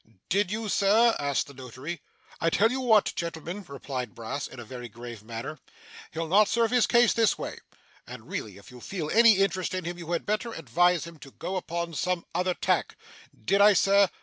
'Did you, sir?' asked the notary. 'I tell you what, gentlemen,' replied Brass, in a very grave manner, 'he'll not serve his case this way, and really, if you feel any interest in him, you had better advise him to go upon some other tack. Did I, sir?